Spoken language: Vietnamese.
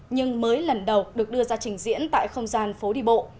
nhưng mới lần đầu được đưa ra trình diễn tại không gian phố đi bộ